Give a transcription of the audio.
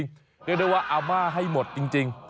เรียกได้ว่าอาม่าให้หมดจริง